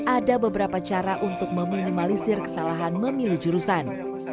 ada beberapa cara untuk meminimalisir kesalahan memilih jurusan